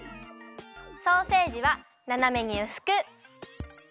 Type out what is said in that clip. ソーセージはななめにうすく。